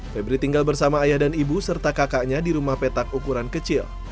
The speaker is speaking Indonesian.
febri tinggal bersama ayah dan ibu serta kakaknya di rumah petak ukuran kecil